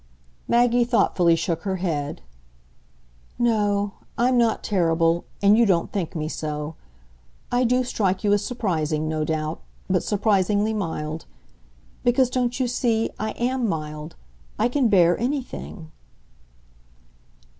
Maggie thoughtfully shook her head. "No; I'm not terrible, and you don't think me so. I do strike you as surprising, no doubt but surprisingly mild. Because don't you see? I AM mild. I can bear anything."